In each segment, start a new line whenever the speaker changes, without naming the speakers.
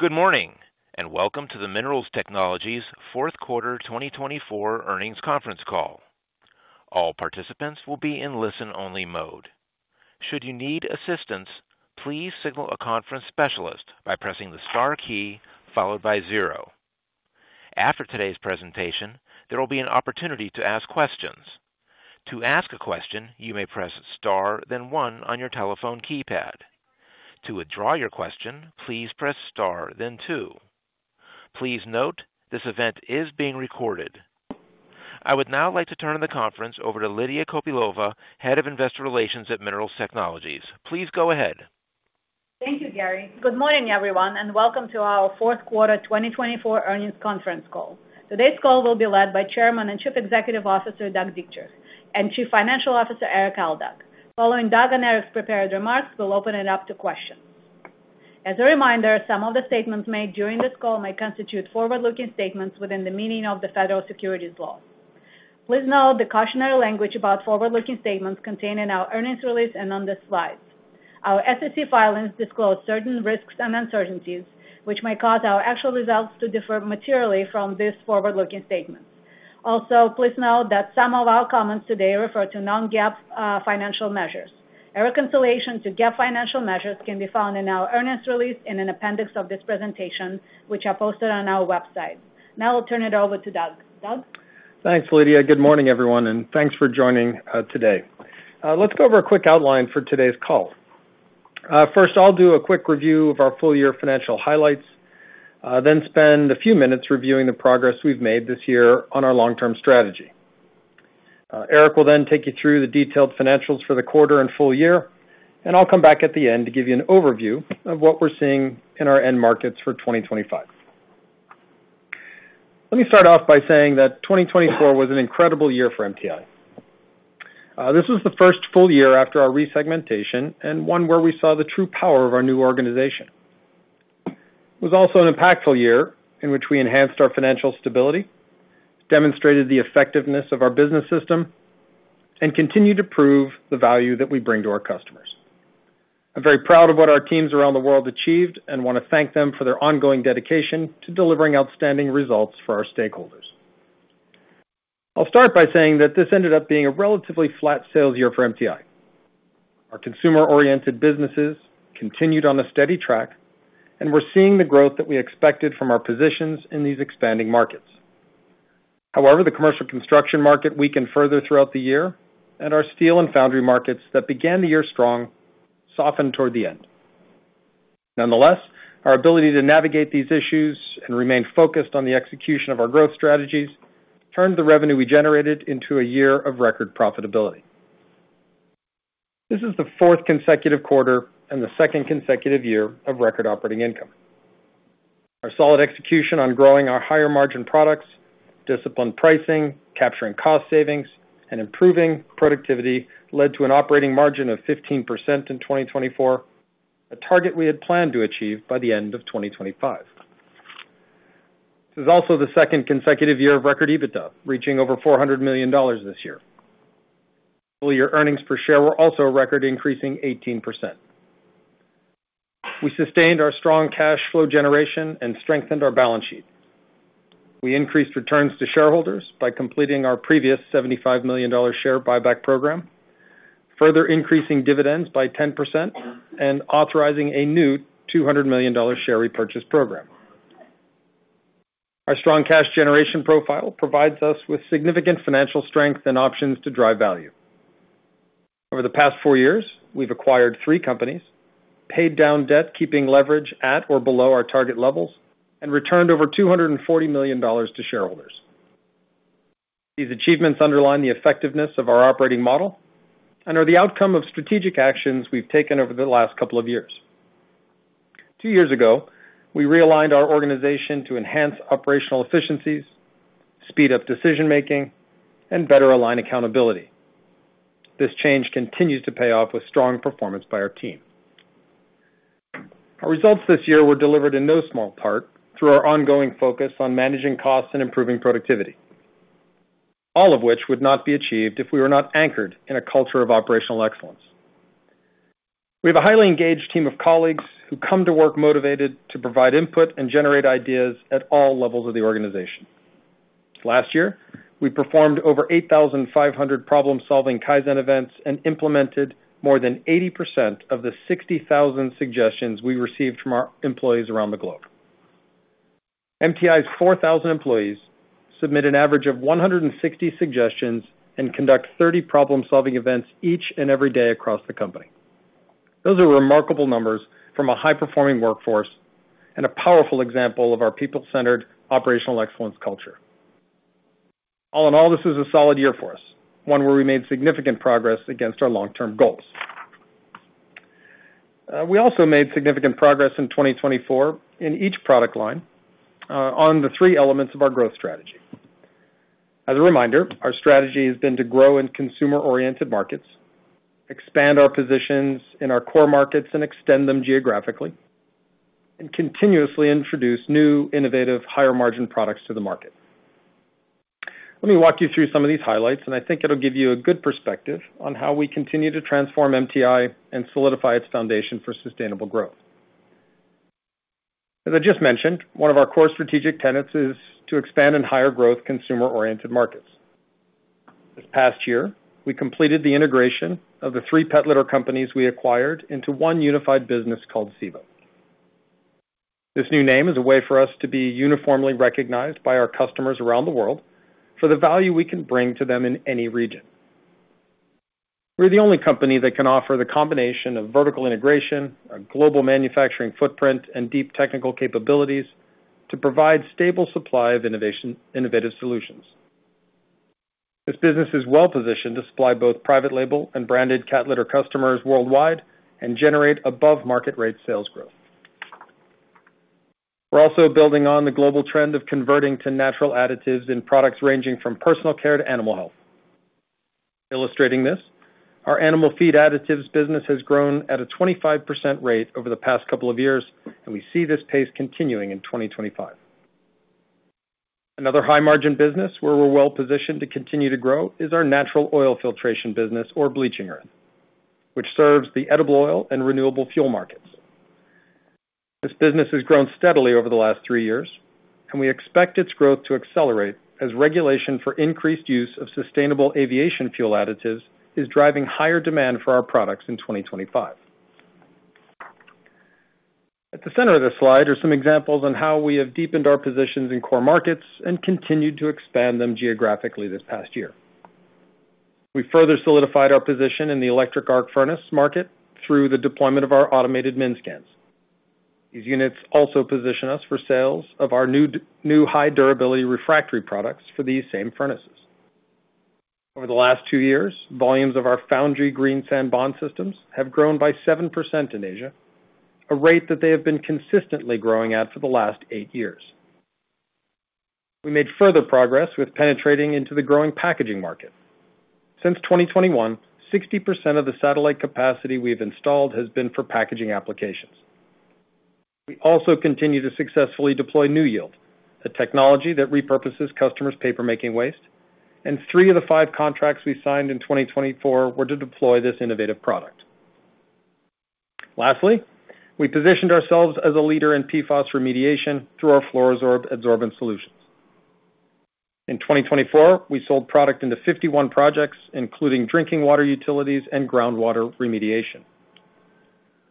Good morning, and welcome to the Minerals Technologies Q4 2024 earnings conference call. All participants will be in listen-only mode. Should you need assistance, please signal a conference specialist by pressing the star key followed by zero. After today's presentation, there will be an opportunity to ask questions. To ask a question, you may press star, then one on your telephone keypad. To withdraw your question, please press star, then two. Please note, this event is being recorded. I would now like to turn the conference over to Lydia Kopylova, Head of Investor Relations at Minerals Technologies. Please go ahead.
Thank you, Gary. Good morning, everyone, and welcome to our Q4 2024 earnings conference call. Today's call will be led by Chairman and Chief Executive Officer Doug Dietrich and Chief Financial Officer Erik Aldag. Following Doug and Erik's prepared remarks, we'll open it up to questions. As a reminder, some of the statements made during this call may constitute forward-looking statements within the meaning of the federal securities law. Please note the cautionary language about forward-looking statements contained in our earnings release and on this slide. Our SEC filings disclose certain risks and uncertainties, which may cause our actual results to differ materially from these forward-looking statements. Also, please note that some of our comments today refer to non-GAAP financial measures. A reconciliation to GAAP financial measures can be found in our earnings release and in an appendix of this presentation, which are posted on our website. Now I'll turn it over to Doug. Doug?
Thanks, Lydia. Good morning, everyone, and thanks for joining today. Let's go over a quick outline for today's call. First, I'll do a quick review of our full-year financial highlights, then spend a few minutes reviewing the progress we've made this year on our long-term strategy. Erik will then take you through the detailed financials for the quarter and full-year, and I'll come back at the end to give you an overview of what we're seeing in our end markets for 2025. Let me start off by saying that 2024 was an incredible year for MTI. This was the first full-year after our resegmentation and one where we saw the true power of our new organization. It was also an impactful year in which we enhanced our financial stability, demonstrated the effectiveness of our business system, and continued to prove the value that we bring to our customers. I'm very proud of what our teams around the world achieved and want to thank them for their ongoing dedication to delivering outstanding results for our stakeholders. I'll start by saying that this ended up being a relatively flat sales year for MTI. Our consumer-oriented businesses continued on a steady track, and we're seeing the growth that we expected from our positions in these expanding markets. However, the commercial construction market weakened further throughout the year, and our steel and foundry markets that began the year strong softened toward the end. Nonetheless, our ability to navigate these issues and remain focused on the execution of our growth strategies turned the revenue we generated into a year of record profitability. This is the fourth consecutive quarter and the second consecutive year of record operating income. Our solid execution on growing our higher-margin products, disciplined pricing, capturing cost savings, and improving productivity led to an operating margin of 15% in 2024, a target we had planned to achieve by the end of 2025. This is also the second consecutive year of record EBITDA, reaching over $400 million this year. Full-year earnings per share were also record, increasing 18%. We sustained our strong cash flow generation and strengthened our balance sheet. We increased returns to shareholders by completing our previous $75 million share buyback program, further increasing dividends by 10% and authorizing a new $200 million share repurchase program. Our strong cash generation profile provides us with significant financial strength and options to drive value. Over the past four years, we've acquired three companies, paid down debt keeping leverage at or below our target levels, and returned over $240 million to shareholders. These achievements underline the effectiveness of our operating model and are the outcome of strategic actions we've taken over the last couple of years. Two years ago, we realigned our organization to enhance operational efficiencies, speed up decision-making, and better align accountability. This change continues to pay off with strong performance by our team. Our results this year were delivered in no small part through our ongoing focus on managing costs and improving productivity, all of which would not be achieved if we were not anchored in a culture of operational excellence. We have a highly engaged team of colleagues who come to work motivated to provide input and generate ideas at all levels of the organization. Last year, we performed over 8,500 problem-solving Kaizen events and implemented more than 80% of the 60,000 suggestions we received from our employees around the globe. MTI's 4,000 employees submit an average of 160 suggestions and conduct 30 problem-solving events each and every day across the company. Those are remarkable numbers from a high-performing workforce and a powerful example of our people-centered operational excellence culture. All in all, this was a solid year for us, one where we made significant progress against our long-term goals. We also made significant progress in 2024 in each product line on the three elements of our growth strategy. As a reminder, our strategy has been to grow in consumer-oriented markets, expand our positions in our core markets and extend them geographically, and continuously introduce new, innovative, higher-margin products to the market. Let me walk you through some of these highlights, and I think it'll give you a good perspective on how we continue to transform MTI and solidify its foundation for sustainable growth. As I just mentioned, one of our core strategic tenets is to expand in higher-growth consumer-oriented markets. This past year, we completed the integration of the three pet litter companies we acquired into one unified business called Sivaro. This new name is a way for us to be uniformly recognized by our customers around the world for the value we can bring to them in any region. We're the only company that can offer the combination of vertical integration, a global manufacturing footprint, and deep technical capabilities to provide a stable supply of innovative solutions. This business is well-positioned to supply both private-label and branded cat litter customers worldwide and generate above-market-rate sales growth. We're also building on the global trend of converting to natural additives in products ranging from personal care to Animal Health. Illustrating this, our animal feed additives business has grown at a 25% rate over the past couple of years, and we see this pace continuing in 2025. Another high-margin business where we're well-positioned to continue to grow is our Natural Oil Filtration business, or bleaching earth, which serves the edible oil and renewable fuel markets. This business has grown steadily over the last three years, and we expect its growth to accelerate as regulation for increased use of sustainable aviation fuel additives is driving higher demand for our products in 2025. At the center of this slide are some examples on how we have deepened our positions in core markets and continued to expand them geographically this past year. We further solidified our position in the electric arc furnace market through the deployment of our automated MINSCANs. These units also position us for sales of our new high-durability refractory products for these same furnaces. Over the last two years, volumes of our foundry green sand bond systems have grown by 7% in Asia, a rate that they have been consistently growing at for the last eight years. We made further progress with penetrating into the growing packaging market. Since 2021, 60% of the satellite capacity we've installed has been for packaging applications. We also continue to successfully deploy NewYield, a technology that repurposes customers' paper-making waste, and three of the five contracts we signed in 2024 were to deploy this innovative product. Lastly, we positioned ourselves as a leader in PFAS remediation through our FLUORO-SORB adsorbent solutions. In 2024, we sold product into 51 projects, including drinking water utilities and groundwater remediation.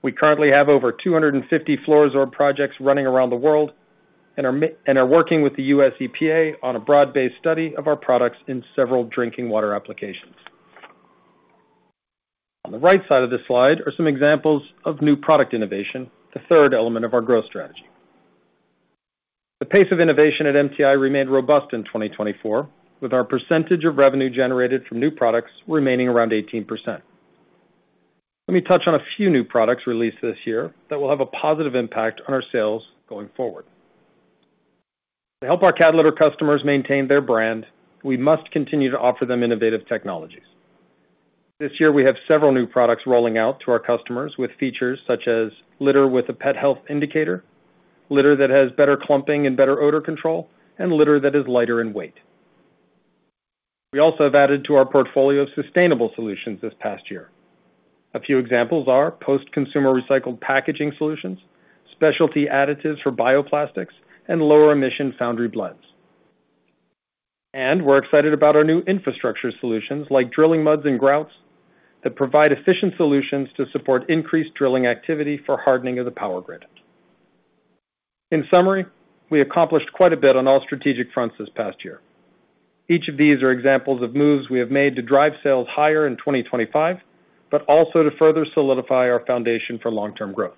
We currently have over 250 FLUORO-SORB projects running around the world and are working with the U.S. EPA on a broad-based study of our products in several drinking water applications. On the right side of this slide are some examples of new product innovation, the third element of our growth strategy. The pace of innovation at MTI remained robust in 2024, with our percentage of revenue generated from new products remaining around 18%. Let me touch on a few new products released this year that will have a positive impact on our sales going forward. To help our cat litter customers maintain their brand, we must continue to offer them innovative technologies. This year, we have several new products rolling out to our customers with features such as litter with a pet health indicator, litter that has better clumping and better odor control, and litter that is lighter in weight. We also have added to our portfolio of sustainable solutions this past year. A few examples are post-consumer recycled packaging solutions, Specialty Additives for bioplastics, and lower-emission foundry blends, and we're excited about our new infrastructure solutions like drilling muds and grouts that provide efficient solutions to support increased drilling activity for hardening of the power grid. In summary, we accomplished quite a bit on all strategic fronts this past year. Each of these are examples of moves we have made to drive sales higher in 2025, but also to further solidify our foundation for long-term growth.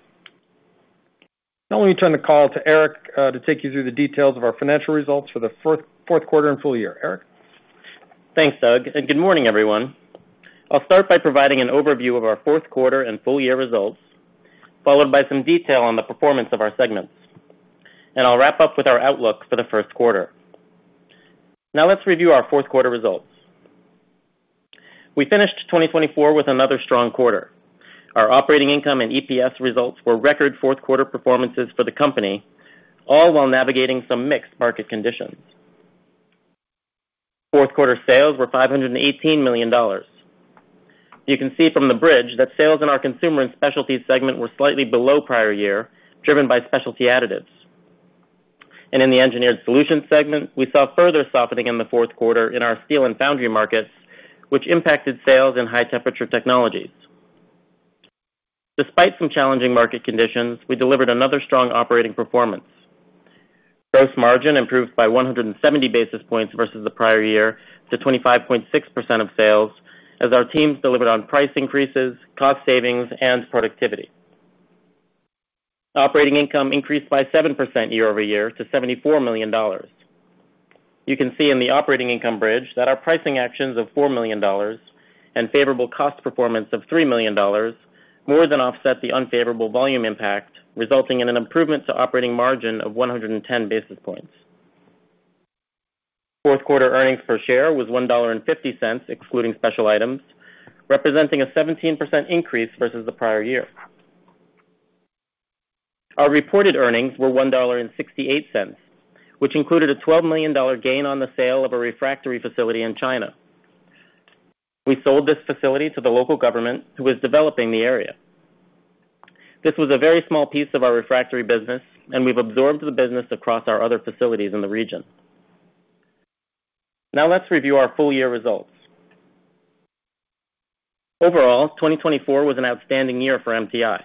Now let me turn the call to Erik to take you through the details of our financial results for the Q4 and full-year. Erik.
Thanks, Doug. Good morning, everyone. I'll start by providing an overview of our Q4 and full-year results, followed by some detail on the performance of our segments. I'll wrap up with our outlook for the Q1. Now let's review our Q4 results. We finished 2024 with another strong quarter. Our operating income and EPS results were record Q4 performances for the company, all while navigating some mixed market conditions. Q4 sales were $518 million. You can see from the bridge that sales in our Consumer & Specialties segment were slightly below prior year, driven by Specialty Additives. In the Engineered Solutions segment, we saw further softening in the Q4 in our steel and foundry markets, which impacted sales in High Temperature Technologies. Despite some challenging market conditions, we delivered another strong operating performance. Gross margin improved by 170 basis points versus the prior year to 25.6% of sales, as our teams delivered on price increases, cost savings, and productivity. Operating income increased by 7% year over year to $74 million. You can see in the operating income bridge that our pricing actions of $4 million and favorable cost performance of $3 million more than offset the unfavorable volume impact, resulting in an improvement to operating margin of 110 basis points. Q4 earnings per share was $1.50, excluding special items, representing a 17% increase versus the prior year. Our reported earnings were $1.68, which included a $12 million gain on the sale of a refractory facility in China. We sold this facility to the local government, who is developing the area. This was a very small piece of our refractory business, and we've absorbed the business across our other facilities in the region. Now let's review our full-year results. Overall, 2024 was an outstanding year for MTI.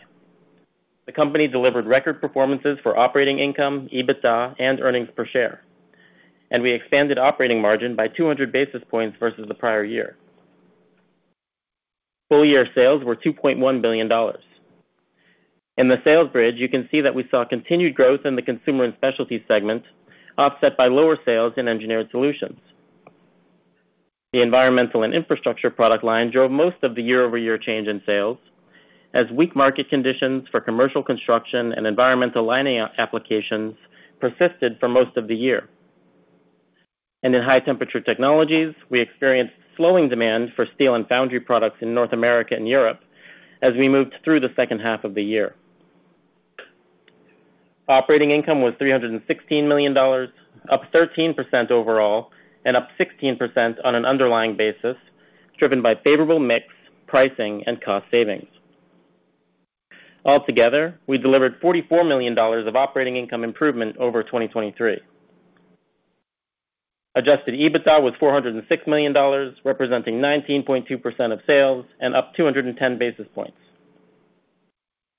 The company delivered record performances for operating income, EBITDA, and earnings per share, and we expanded operating margin by 200 basis points versus the prior year. Full-year sales were $2.1 billion. In the sales bridge, you can see that we saw continued growth in the Consumer & Specialties segment, offset by lower sales in Engineered Solutions. The Environmental & Infrastructure product line drove most of the year-over-year change in sales, as weak market conditions for commercial construction and environmental lining applications persisted for most of the year, and in High Temperature Technologies, we experienced slowing demand for steel and foundry products in North America and Europe as we moved through the second half of the year. Operating income was $316 million, up 13% overall and up 16% on an underlying basis, driven by favorable mix, pricing, and cost savings. Altogether, we delivered $44 million of operating income improvement over 2023. Adjusted EBITDA was $406 million, representing 19.2% of sales and up 210 basis points.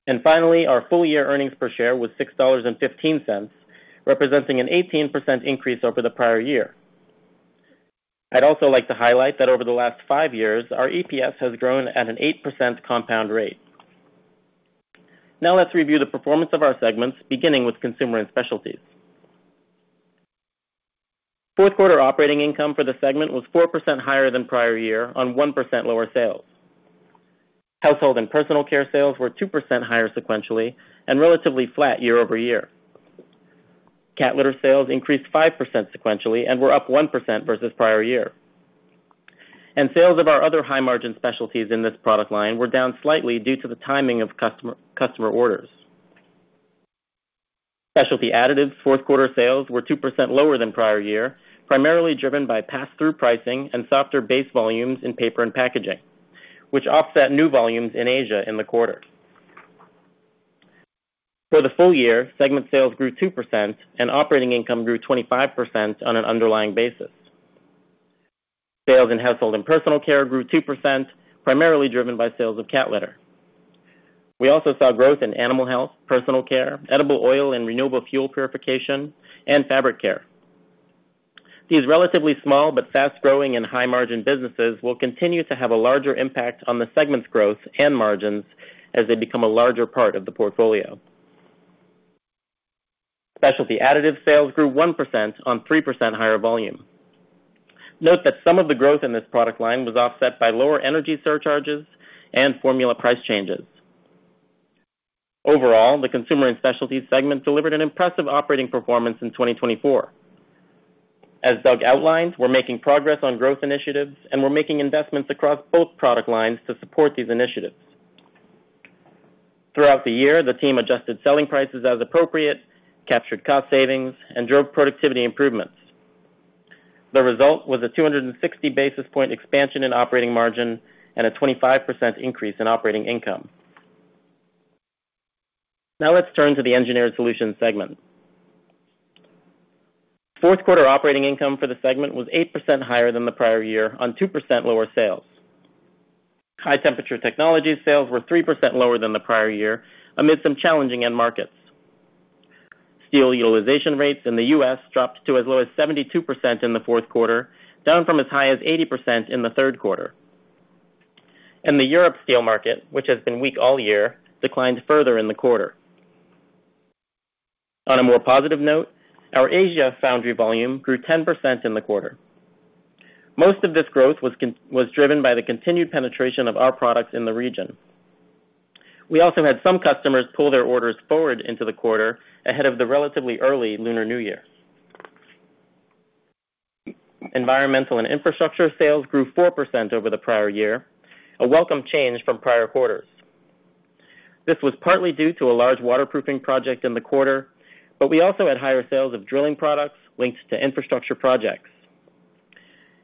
And finally, our full-year earnings per share was $6.15, representing an 18% increase over the prior year. I'd also like to highlight that over the last five years, our EPS has grown at an 8% compound rate. Now let's review the performance of our segments, beginning with Consumer & Specialties. Q4 operating income for the segment was 4% higher than prior year on 1% lower sales. Household & Personal Care sales were 2% higher sequentially and relatively flat year over year. Cat litter sales increased 5% sequentially and were up 1% versus prior year. Sales of our other high-margin specialties in this product line were down slightly due to the timing of customer orders. Specialty Additives Q4 sales were 2% lower than prior year, primarily driven by pass-through pricing and softer base volumes in Paper & Packaging, which offset new volumes in Asia in the quarter. For the full-year, segment sales grew 2% and operating income grew 25% on an underlying basis. Sales in Household & Personal Care grew 2%, primarily driven by sales of cat litter. We also saw growth in Animal Health, personal care, edible oil and renewable fuel purification, and fabric care. These relatively small but fast-growing and high-margin businesses will continue to have a larger impact on the segment's growth and margins as they become a larger part of the portfolio. Specialty Additives sales grew 1% on 3% higher volume. Note that some of the growth in this product line was offset by lower energy surcharges and formula price changes. Overall, the Consumer & Specialties segment delivered an impressive operating performance in 2024. As Doug outlined, we're making progress on growth initiatives and we're making investments across both product lines to support these initiatives. Throughout the year, the team adjusted selling prices as appropriate, captured cost savings, and drove productivity improvements. The result was a 260 basis point expansion in operating margin and a 25% increase in operating income. Now let's turn to the Engineered Solutions segment. Q4 operating income for the segment was 8% higher than the prior year on 2% lower sales. High Temperature Technologies sales were 3% lower than the prior year amid some challenging end markets. Steel utilization rates in the U.S. dropped to as low as 72% in the Q4, down from as high as 80% in the Q3. And the Europe steel market, which has been weak all year, declined further in the quarter. On a more positive note, our Asia foundry volume grew 10% in the quarter. Most of this growth was driven by the continued penetration of our products in the region. We also had some customers pull their orders forward into the quarter ahead of the relatively early Lunar New Year. Environmental & Infrastructure sales grew 4% over the prior year, a welcome change from prior quarters. This was partly due to a large waterproofing project in the quarter, but we also had higher sales of drilling products linked to infrastructure projects.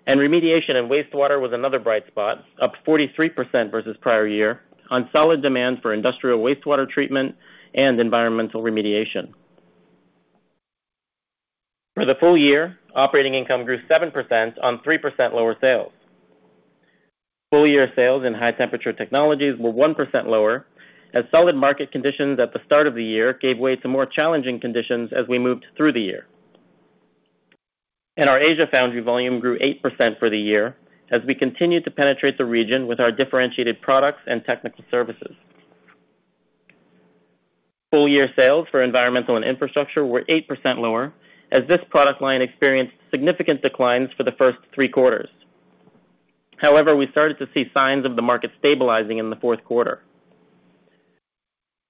Remediation and wastewater was another bright spot, up 43% versus prior year on solid demand for industrial wastewater treatment and environmental remediation. For the full-year, operating income grew 7% on 3% lower sales. Full-year sales in High Temperature Technologies were 1% lower as solid market conditions at the start of the year gave way to more challenging conditions as we moved through the year. Our Asia foundry volume grew 8% for the year as we continued to penetrate the region with our differentiated products and technical services. Full-year sales for Environmental & Infrastructure were 8% lower as this product line experienced significant declines for the first three quarters. However, we started to see signs of the market stabilizing in the Q4.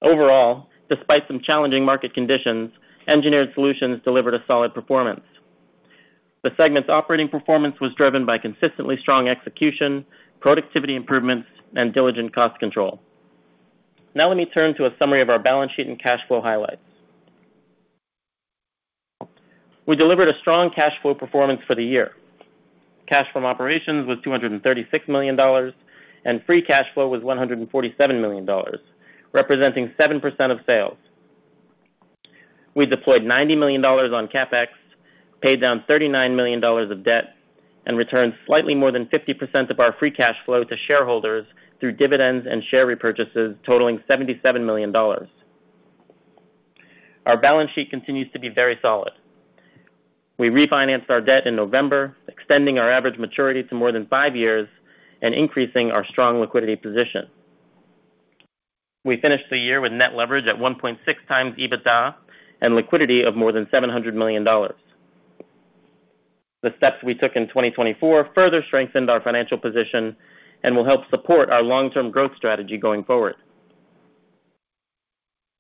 Overall, despite some challenging market conditions, Engineered Solutions delivered a solid performance. The segment's operating performance was driven by consistently strong execution, productivity improvements, and diligent cost control. Now let me turn to a summary of our balance sheet and cash flow highlights. We delivered a strong cash flow performance for the year. Cash from operations was $236 million, and free cash flow was $147 million, representing 7% of sales. We deployed $90 million on CapEx, paid down $39 million of debt, and returned slightly more than 50% of our free cash flow to shareholders through dividends and share repurchases totaling $77 million. Our balance sheet continues to be very solid. We refinanced our debt in November, extending our average maturity to more than five years and increasing our strong liquidity position. We finished the year with net leverage at 1.6 times EBITDA and liquidity of more than $700 million. The steps we took in 2024 further strengthened our financial position and will help support our long-term growth strategy going forward.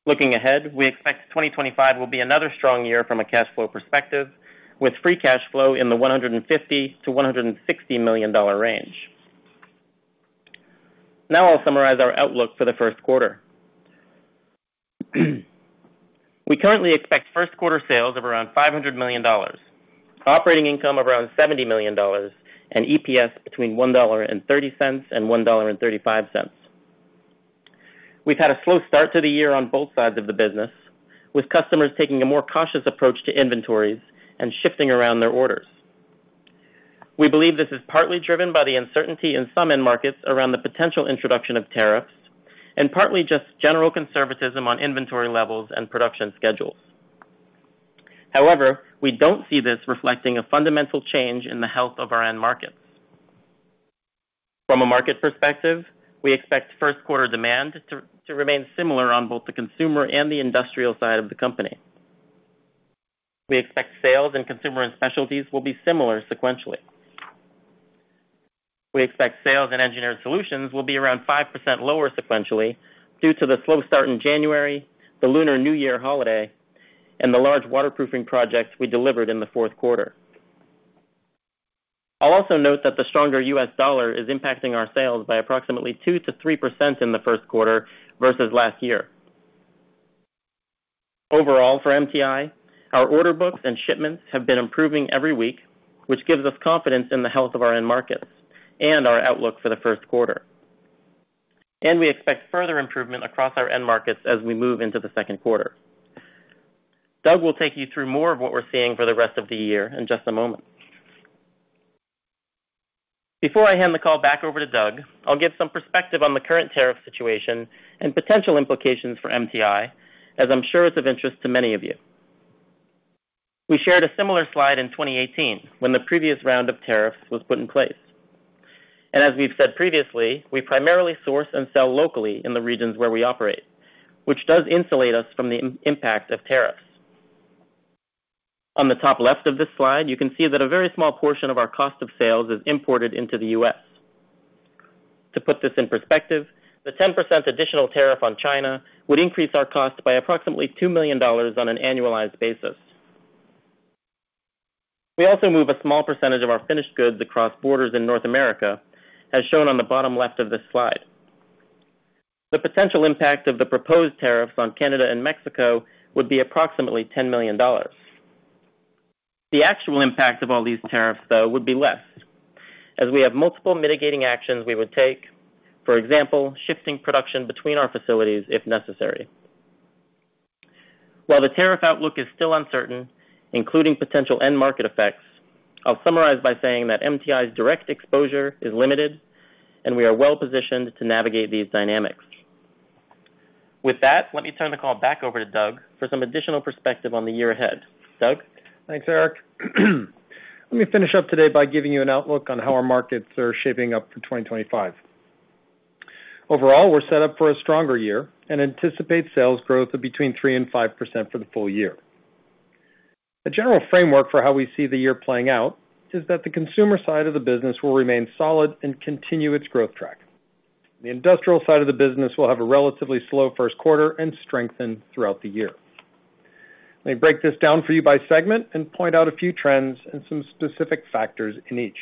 Looking ahead, we expect 2025 will be another strong year from a cash flow perspective, with free cash flow in the $150-$160 million range. Now I'll summarize our outlook for the Q1. We currently expect Q1 sales of around $500 million, operating income of around $70 million, and EPS between $1.30 and $1.35. We've had a slow start to the year on both sides of the business, with customers taking a more cautious approach to inventories and shifting around their orders. We believe this is partly driven by the uncertainty in some end markets around the potential introduction of tariffs and partly just general conservatism on inventory levels and production schedules. However, we don't see this reflecting a fundamental change in the health of our end markets. From a market perspective, we expect Q1 demand to remain similar on both the consumer and the industrial side of the company. We expect sales in Consumer & Specialties will be similar sequentially. We expect sales in Engineered Solutions will be around 5% lower sequentially due to the slow start in January, the Lunar New Year holiday, and the large waterproofing projects we delivered in the Q4. I'll also note that the stronger U.S. dollar is impacting our sales by approximately 2%-3% in the Q1 versus last year. Overall, for MTI, our order books and shipments have been improving every week, which gives us confidence in the health of our end markets and our outlook for the Q1. We expect further improvement across our end markets as we move into the Q2. Doug will take you through more of what we're seeing for the rest of the year in just a moment. Before I hand the call back over to Doug, I'll give some perspective on the current tariff situation and potential implications for MTI, as I'm sure it's of interest to many of you. We shared a similar slide in 2018 when the previous round of tariffs was put in place. As we've said previously, we primarily source and sell locally in the regions where we operate, which does insulate us from the impact of tariffs. On the top left of this slide, you can see that a very small portion of our cost of sales is imported into the U.S. To put this in perspective, the 10% additional tariff on China would increase our cost by approximately $2 million on an annualized basis. We also move a small percentage of our finished goods across borders in North America, as shown on the bottom left of this slide. The potential impact of the proposed tariffs on Canada and Mexico would be approximately $10 million. The actual impact of all these tariffs, though, would be less, as we have multiple mitigating actions we would take, for example, shifting production between our facilities if necessary. While the tariff outlook is still uncertain, including potential end market effects, I'll summarize by saying that MTI's direct exposure is limited, and we are well positioned to navigate these dynamics. With that, let me turn the call back over to Doug for some additional perspective on the year ahead. Doug? Thanks, Erik.
Let me finish up today by giving you an outlook on how our markets are shaping up for 2025. Overall, we're set up for a stronger year and anticipate sales growth of between 3% and 5% for the full year. A general framework for how we see the year playing out is that the consumer side of the business will remain solid and continue its growth track. The industrial side of the business will have a relatively slow Q1 and strengthen throughout the year. Let me break this down for you by segment and point out a few trends and some specific factors in each.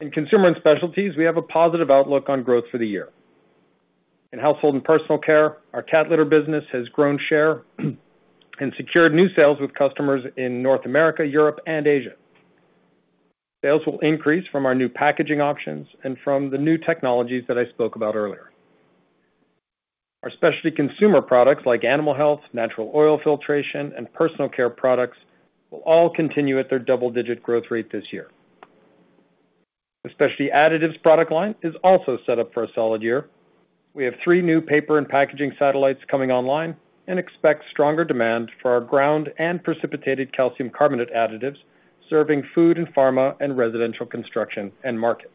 In Consumer & Specialties, we have a positive outlook on growth for the year. In Household & Personal Care, our cat litter business has grown share and secured new sales with customers in North America, Europe, and Asia. Sales will increase from our new packaging options and from the new technologies that I spoke about earlier. Our specialty consumer products like Animal Health, Natural Oil Filtration, and Personal Care products will all continue at their double-digit growth rate this year. The Specialty Additives product line is also set up for a solid year. We have three new Paper & Packaging satellites coming online and expect stronger demand for our ground and precipitated calcium carbonate additives serving food and pharma and residential construction end markets.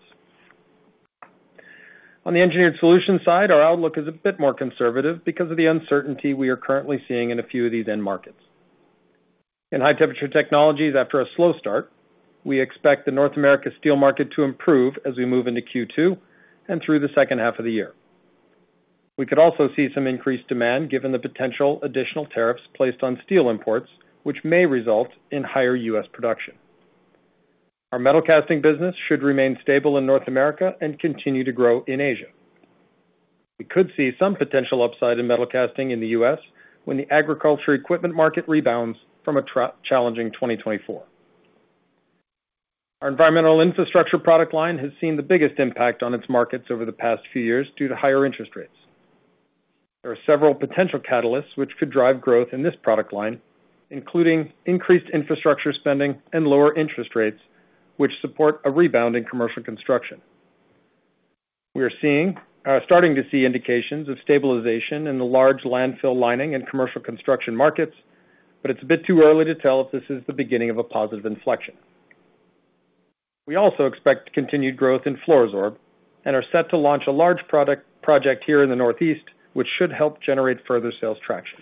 On the Engineered Solutions side, our outlook is a bit more conservative because of the uncertainty we are currently seeing in a few of these end markets. In High Temperature Technologies, after a slow start, we expect the North America steel market to improve as we move into Q2 and through the second half of the year. We could also see some increased demand given the potential additional tariffs placed on steel imports, which may result in higher U.S. production. Our Metalcasting business should remain stable in North America and continue to grow in Asia. We could see some potential upside in Metalcasting in the U.S. when the agriculture equipment market rebounds from a challenging 2024. Our environmental infrastructure product line has seen the biggest impact on its markets over the past few years due to higher interest rates. There are several potential catalysts which could drive growth in this product line, including increased infrastructure spending and lower interest rates, which support a rebound in commercial construction. We are starting to see indications of stabilization in the large landfill lining and commercial construction markets, but it's a bit too early to tell if this is the beginning of a positive inflection. We also expect continued growth in FLUORO-SORB and are set to launch a large project here in the Northeast, which should help generate further sales traction.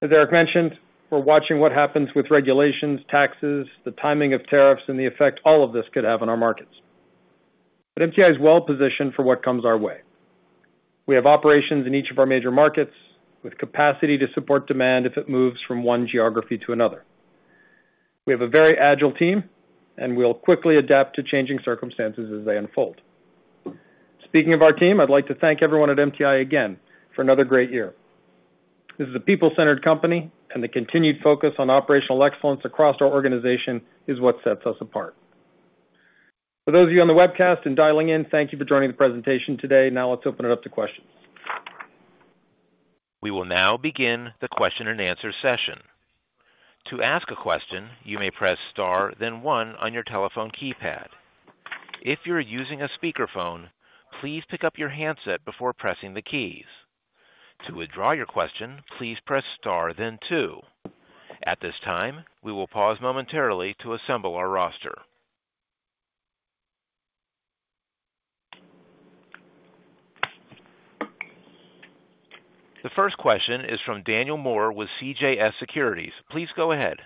As Erik mentioned, we're watching what happens with regulations, taxes, the timing of tariffs, and the effect all of this could have on our markets. But MTI is well positioned for what comes our way. We have operations in each of our major markets with capacity to support demand if it moves from one geography to another. We have a very agile team, and we'll quickly adapt to changing circumstances as they unfold. Speaking of our team, I'd like to thank everyone at MTI again for another great year. This is a people-centered company, and the continued focus on operational excellence across our organization is what sets us apart. For those of you on the webcast and dialing in, thank you for joining the presentation today. Now let's open it up to questions.
We will now begin the question-and-answer session. To ask a question, you may press star, then one on your telephone keypad. If you're using a speakerphone, please pick up your handset before pressing the keys. To withdraw your question, please press star, then two. At this time, we will pause momentarily to assemble our roster. The first question is from Daniel Moore with CJS Securities. Please go ahead.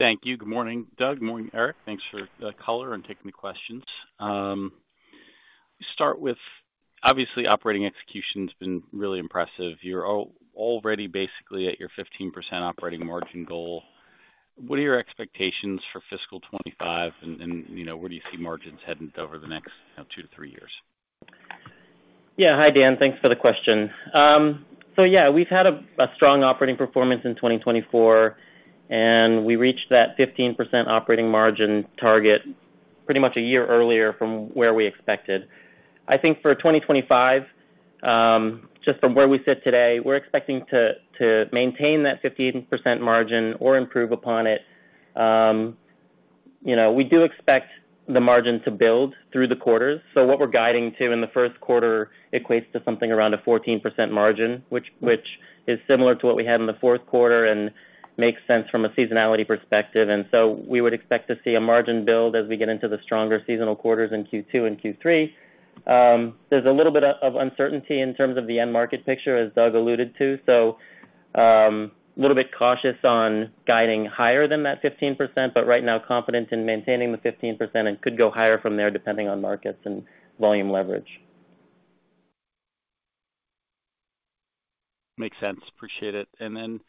Thank you. Good morning, Doug. Good morning, Erik. Thanks for the color and taking the questions. Let me start with, obviously, operating execution has been really impressive. You're already basically at your 15% operating margin goal. What are your expectations for fiscal 2025, and where do you see margins heading over the next two to three years?
Yeah. Hi, Dan. Thanks for the question. So yeah, we've had a strong operating performance in 2024, and we reached that 15% operating margin target pretty much a year earlier from where we expected. I think for 2025, just from where we sit today, we're expecting to maintain that 15% margin or improve upon it. We do expect the margin to build through the quarters. So what we're guiding to in the Q1 equates to something around a 14% margin, which is similar to what we had in the Q4 and makes sense from a seasonality perspective. And so we would expect to see a margin build as we get into the stronger seasonal quarters in Q2 and Q3. There's a little bit of uncertainty in terms of the end market picture, as Doug alluded to. So a little bit cautious on guiding higher than that 15%, but right now confident in maintaining the 15% and could go higher from there depending on markets and volume leverage.
Makes sense. Appreciate it. And then,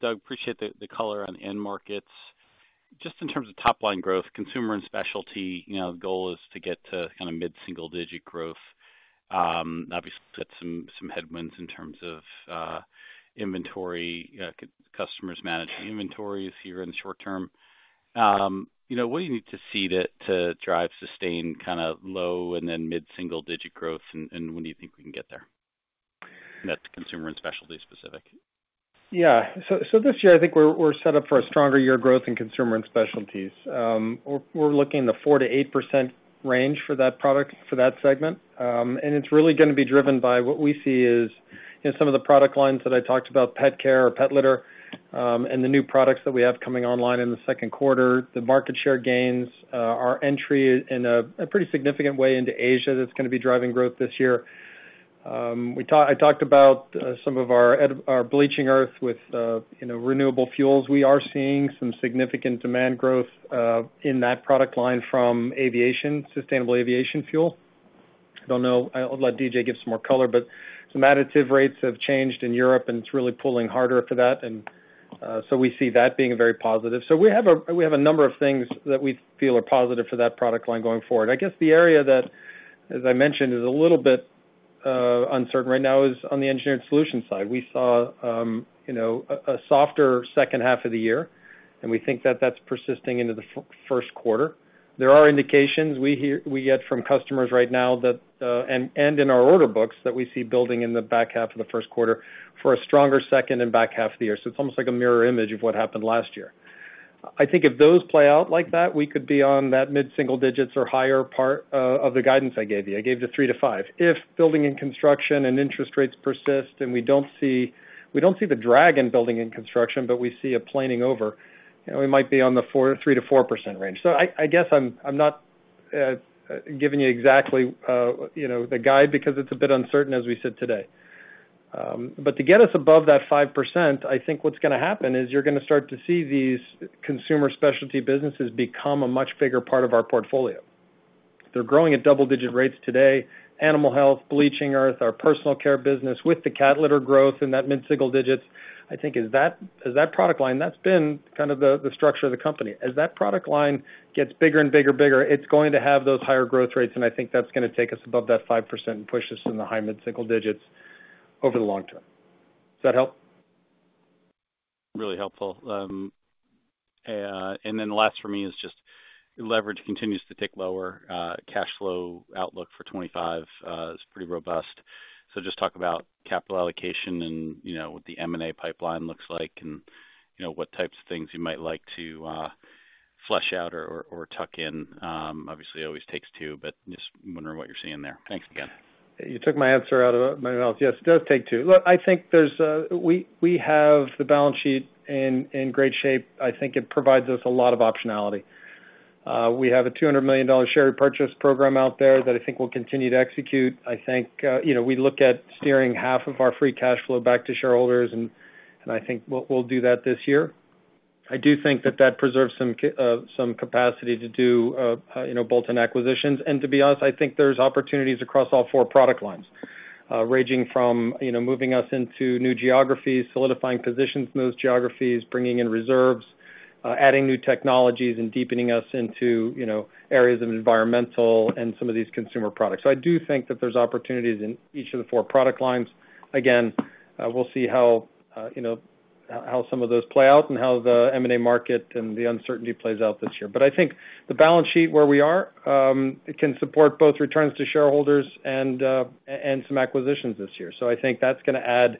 Doug, appreciate the color on end markets. Just in terms of top-line growth, Consumer & Specialty, the goal is to get to kind of mid-single-digit growth. Obviously, we've had some headwinds in terms of inventory, customers managing inventories here in the short term. What do you need to see to drive sustained kind of low and then mid-single-digit growth, and when do you think we can get there? That's Consumer & Specialty specific.
Yeah. So this year, I think we're set up for a stronger year growth in Consumer & Specialties. We're looking at the 4%-8% range for that product, for that segment. And it's really going to be driven by what we see as some of the product lines that I talked about, pet care or pet litter, and the new products that we have coming online in the Q2, the market share gains, our entry in a pretty significant way into Asia that's going to be driving growth this year. I talked about some of our bleaching earth with renewable fuels. We are seeing some significant demand growth in that product line from aviation, sustainable aviation fuel. I'll let DJ give some more color, but some additive rates have changed in Europe, and it's really pulling harder for that. And so we have a number of things that we feel are positive for that product line going forward. I guess the area that, as I mentioned, is a little bit uncertain right now is on the Engineered Solutions side. We saw a softer second half of the year, and we think that that's persisting into the Q1. There are indications we get from customers right now and in our order books that we see building in the back half of the Q1 for a stronger second and back half of the year. So it's almost like a mirror image of what happened last year. I think if those play out like that, we could be on that mid-single digits or higher part of the guidance I gave you. I gave you the 3%-5%. If building and construction and interest rates persist and we don't see the drag in building and construction, but we see a planing over, we might be on the 3%-4% range. So I guess I'm not giving you exactly the guide because it's a bit uncertain as we sit today. But to get us above that 5%, I think what's going to happen is you're going to start to see these consumer specialty businesses become a much bigger part of our portfolio. They're growing at double-digit rates today. Animal Health, bleaching earth, our personal care business with the cat litter growth in that mid-single digits, I think is that product line that's been kind of the structure of the company. As that product line gets bigger and bigger, bigger, it's going to have those higher growth rates, and I think that's going to take us above that 5% and push us in the high mid-single digits over the long term. Does that help? Really helpful. And then last for me is just leverage continues to tick lower. Cash flow outlook for 2025 is pretty robust. So just talk about capital allocation and what the M&A pipeline looks like and what types of things you might like to flesh out or tuck in. Obviously, it always takes two, but just wondering what you're seeing there. Thanks again. You took my answer out of my mouth. Yes, it does take two. Look, I think we have the balance sheet in great shape. I think it provides us a lot of optionality. We have a $200 million share purchase program out there that I think we'll continue to execute. I think we look at steering half of our free cash flow back to shareholders, and I think we'll do that this year. I do think that that preserves some capacity to do bolt-on acquisitions, and to be honest, I think there's opportunities across all four product lines, ranging from moving us into new geographies, solidifying positions in those geographies, bringing in reserves, adding new technologies, and deepening us into areas of environmental and some of these consumer products, so I do think that there's opportunities in each of the four product lines. Again, we'll see how some of those play out and how the M&A market and the uncertainty plays out this year. But I think the balance sheet, where we are, it can support both returns to shareholders and some acquisitions this year. So I think that's going to add,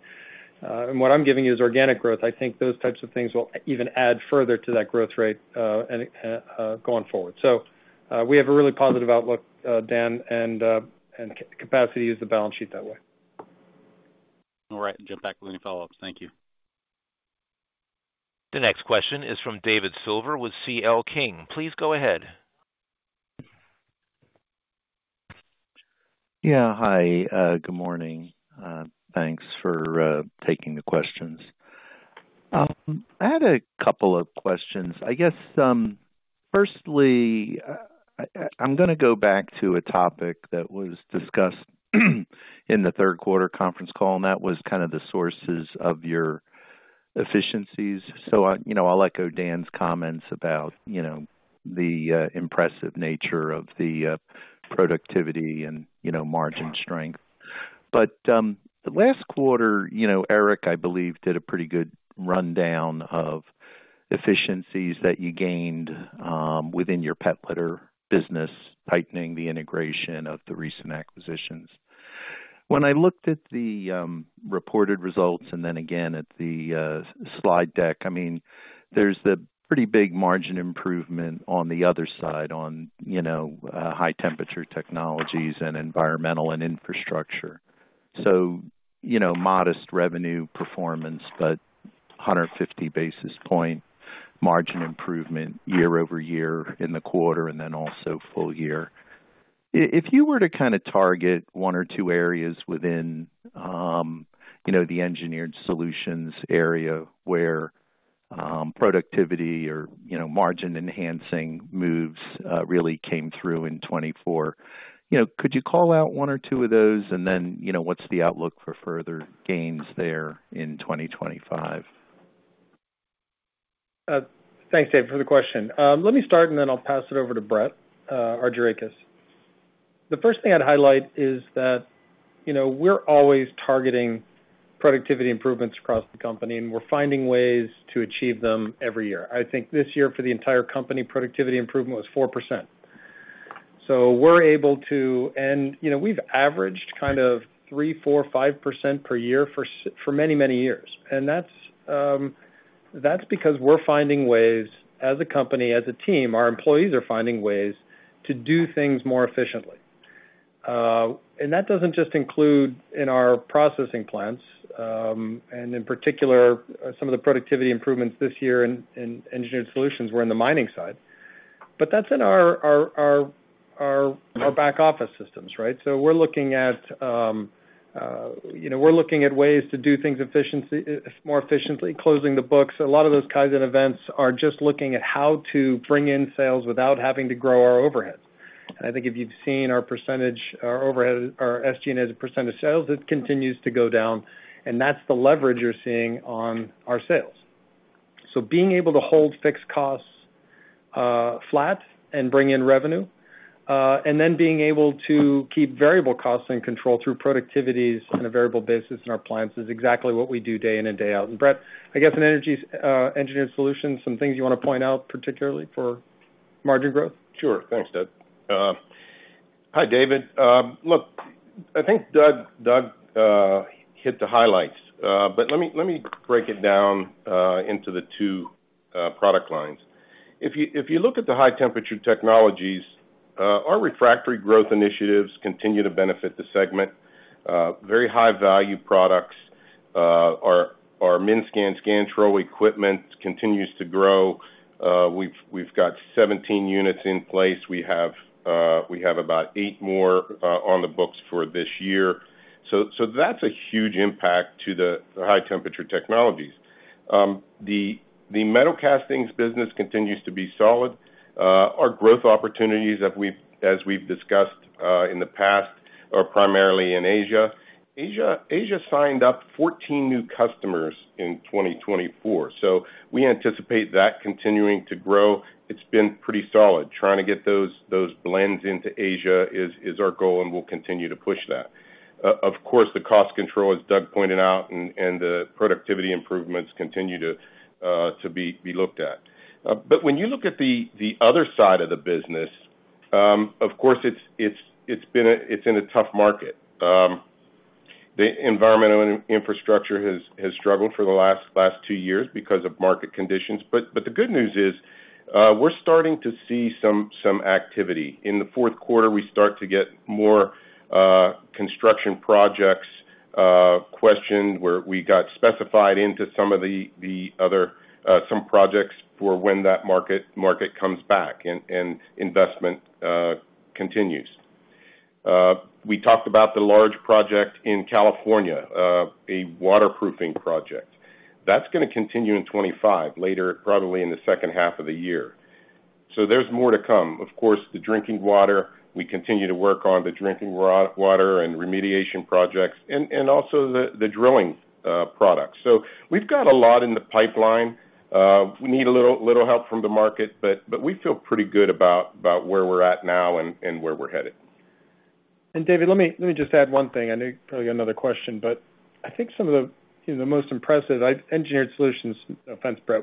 and what I'm giving you is organic growth. I think those types of things will even add further to that growth rate going forward. So we have a really positive outlook, Dan, and capacity to use the balance sheet that way.
All right. Jump back with any follow-ups. Thank you.
The next question is from David Silver with CL King. Please go ahead. |
Yeah. Hi. Good morning. Thanks for taking the questions. I had a couple of questions. I guess, firstly, I'm going to go back to a topic that was discussed in the Q3 conference call, and that was kind of the sources of your efficiencies. So I'll echo Dan's comments about the impressive nature of the productivity and margin strength. But the last quarter, Erik, I believe, did a pretty good rundown of efficiencies that you gained within your pet litter business, tightening the integration of the recent acquisitions. When I looked at the reported results and then again at the slide deck, I mean, there's the pretty big margin improvement on the other side on High Temperature Technologies and Environmental & Infrastructure. So modest revenue performance, but 150 basis point margin improvement year over year in the quarter and then also full-year. If you were to kind of target one or two areas within the Engineered Solutions area where productivity or margin-enhancing moves really came through in 2024, could you call out one or two of those, and then what's the outlook for further gains there in 2025?
Thanks, David, for the question. Let me start, and then I'll pass it over to Brett Argirakis. The first thing I'd highlight is that we're always targeting productivity improvements across the company, and we're finding ways to achieve them every year. I think this year, for the entire company, productivity improvement was 4%. So we're able to, and we've averaged kind of 3%, 4%, 5% per year for many, many years. And that's because we're finding ways, as a company, as a team, our employees are finding ways to do things more efficiently. And that doesn't just include in our processing plants, and in particular, some of the productivity improvements this year in Engineered Solutions were in the mining side. But that's in our back office systems, right? So we're looking at ways to do things more efficiently, closing the books. A lot of those kinds of events are just looking at how to bring in sales without having to grow our overhead, and I think if you've seen our percentage, our SG&A's percentage sales, it continues to go down, and that's the leverage you're seeing on our sales, so being able to hold fixed costs flat and bring in revenue, and then being able to keep variable costs in control through productivities on a variable basis in our plants is exactly what we do day in and day out, and Brett, I guess in Engineered Solutions, some things you want to point out particularly for margin growth?
Sure. Thanks, Doug. Hi, David. Look, I think Doug hit the highlights, but let me break it down into the two product lines. If you look at the High Temperature Technologies, our refractory growth initiatives continue to benefit the segment. Very high-value products, our MINSCANs scanner equipment continues to grow. We've got 17 units in place. We have about eight more on the books for this year. So that's a huge impact to the High Temperature Technologies. The metalcastings business continues to be solid. Our growth opportunities, as we've discussed in the past, are primarily in Asia. Asia signed up 14 new customers in 2024. So we anticipate that continuing to grow. It's been pretty solid. Trying to get those blends into Asia is our goal, and we'll continue to push that. Of course, the cost control, as Doug pointed out, and the productivity improvements continue to be looked at. But when you look at the other side of the business, of course, it's in a tough market. The environmental infrastructure has struggled for the last two years because of market conditions. But the good news is we're starting to see some activity. In the Q4, we start to get more construction projects questioned where we got specified into some of the other projects for when that market comes back and investment continues. We talked about the large project in California, a waterproofing project. That's going to continue in 2025, later, probably in the second half of the year. So there's more to come. Of course, the drinking water, we continue to work on the drinking water and remediation projects, and also the drilling products. So we've got a lot in the pipeline. We need a little help from the market, but we feel pretty good about where we're at now and where we're headed.
And David, let me just add one thing. I know you probably got another question, but I think some of the most impressive Engineered Solutions. Thanks, Brett.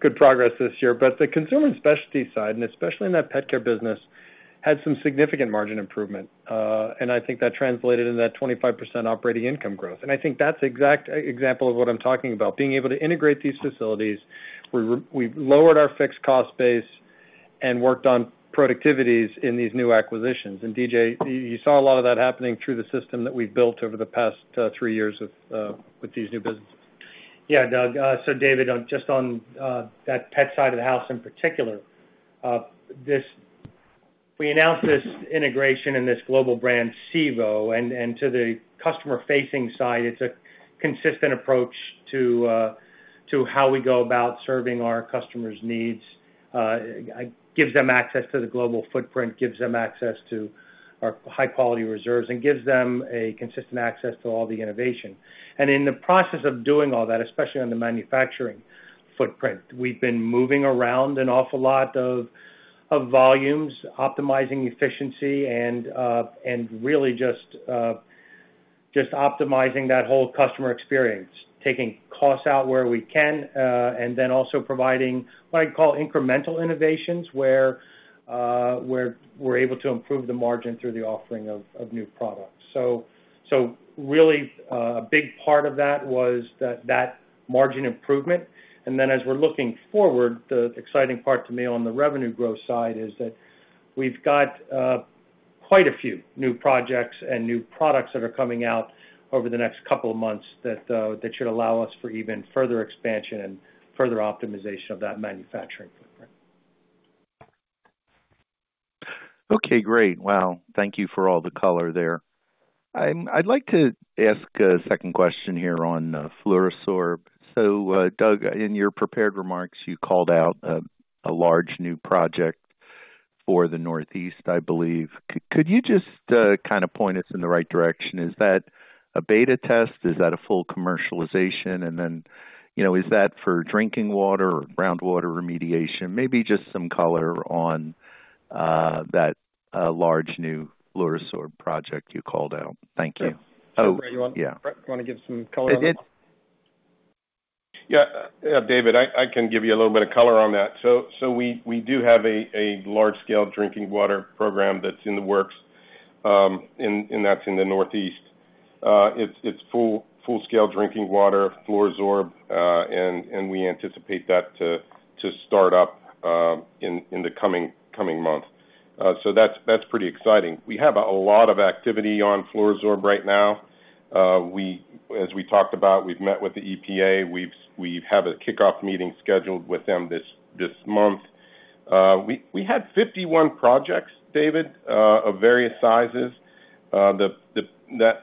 Good progress this year. But the Consumer & Specialties side, and especially in that pet care business, had some significant margin improvement. And I think that translated into that 25% operating income growth. And I think that's an exact example of what I'm talking about, being able to integrate these facilities. We lowered our fixed cost base and worked on productivities in these new acquisitions. And DJ, you saw a lot of that happening through the system that we've built over the past three years with these new businesses.
Yeah, Doug. So David, just on that pet side of the house in particular, we announced this integration in this global brand, Sivaro, and to the customer-facing side, it's a consistent approach to how we go about serving our customers' needs. It gives them access to the global footprint, gives them access to our high-quality reserves, and gives them a consistent access to all the innovation, and in the process of doing all that, especially on the manufacturing footprint, we've been moving around an awful lot of volumes, optimizing efficiency, and really just optimizing that whole customer experience, taking costs out where we can, and then also providing what I'd call incremental innovations where we're able to improve the margin through the offering of new products, so really, a big part of that was that margin improvement, and then as we're looking forward, the exciting part to me on the revenue growth side is that we've got quite a few new projects and new products that are coming out over the next couple of months that should allow us for even further expansion and further optimization of that manufacturing footprint,
okay. Great. Well, thank you for all the color there. I'd like to ask a second question here on FLUORO-SORB. So Doug, in your prepared remarks, you called out a large new project for the Northeast, I believe. Could you just kind of point us in the right direction? Is that a beta test? Is that a full commercialization? And then is that for drinking water or groundwater remediation? Maybe just some color on that large new FLUORO-SORB project you called out. Thank you.
Oh, Brett, you want to give some color on that? I did.
Yeah. David, I can give you a little bit of color on that. So we do have a large-scale drinking water program that's in the works, and that's in the Northeast. It's full-scale drinking water, FLUORO-SORB, and we anticipate that to start up in the coming months. So that's pretty exciting. We have a lot of activity on FLUORO-SORB right now. As we talked about, we've met with the EPA. We have a kickoff meeting scheduled with them this month. We had 51 projects, David, of various sizes.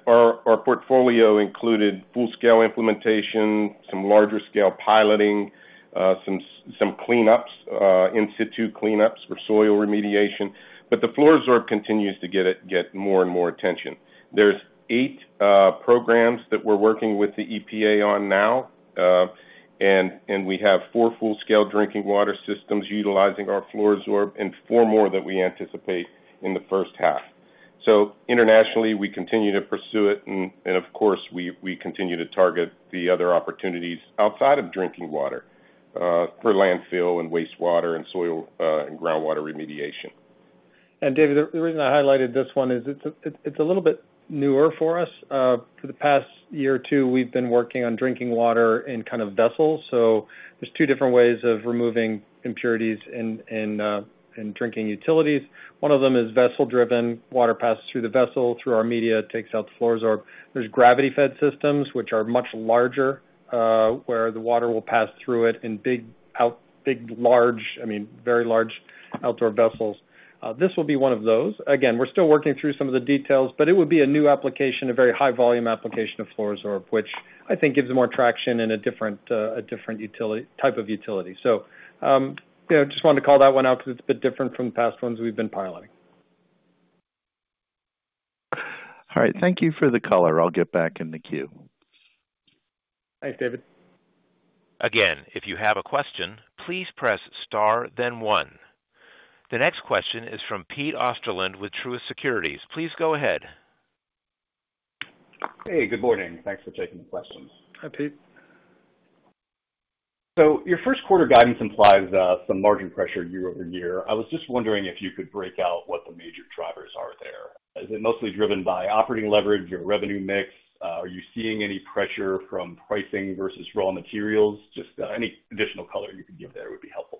Our portfolio included full-scale implementation, some larger-scale piloting, some cleanups, in-situ cleanups for soil remediation. But the FLUORO-SORB continues to get more and more attention. There's eight programs that we're working with the EPA on now, and we have four full-scale drinking water systems utilizing our FLUORO-SORB, and four more that we anticipate in the first half. So internationally, we continue to pursue it, and of course, we continue to target the other opportunities outside of drinking water for landfill and wastewater and soil and groundwater remediation,
and David, the reason I highlighted this one is it's a little bit newer for us. For the past year or two, we've been working on drinking water in kind of vessels. So there's two different ways of removing impurities in drinking water utilities. One of them is vessel-driven. Water passes through the vessel, through our media, takes out the FLUORO-SORB. There's gravity-fed systems, which are much larger, where the water will pass through it in big, large, I mean, very large outdoor vessels. This will be one of those. Again, we're still working through some of the details, but it would be a new application, a very high-volume application of FLUORO-SORB, which I think gives more traction in a different type of utility. So I just wanted to call that one out because it's a bit different from the past ones we've been piloting.
All right. Thank you for the color. I'll get back in the queue.
Thanks, David.
Again, if you have a question, please press star, then one. The next question is from Pete Osterland with Truist Securities. Please go ahead.
Hey, good morning. Thanks for taking the questions.
Hi, Pete.
So your Q1 guidance implies some margin pressure year over year. I was just wondering if you could break out what the major drivers are there. Is it mostly driven by operating leverage or revenue mix? Are you seeing any pressure from pricing versus raw materials? Just any additional color you could give there would be helpful.